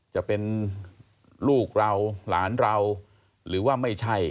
จะเป็นลูกเราหลานเราหรือว่าไม่ใช่